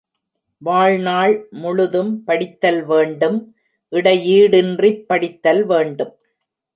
வாழ்நாள் முழுதும் படித்தல் வேண்டும், இடையீடின்றிப் படித்தல் வேண்டும்.